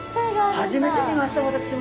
初めて見ました私も。